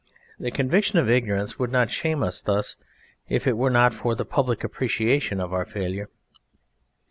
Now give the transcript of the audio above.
The conviction of ignorance would not shame us thus if it were not for the public appreciation of our failure.